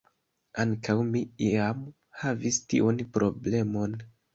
Ankaŭ mi iam havis tiun problemon.